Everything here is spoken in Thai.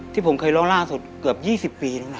ที่ผมเคยร้องล่าสุดเกือบ๒๐ปีแล้วนะ